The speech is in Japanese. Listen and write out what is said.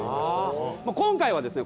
今回はですね